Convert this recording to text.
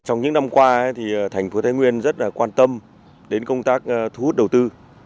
trong những năm qua thì thành phố thái nguyên rất là quan tâm đến công tác thu hút đầu tư